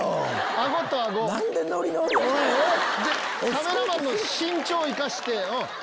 カメラマンの身長生かして。